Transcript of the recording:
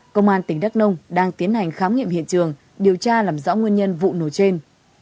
công an tỉnh đắk nông đang tiến hành khám nghiệm hiện trường điều tra làm rõ nguyên nhân vụ nổ trên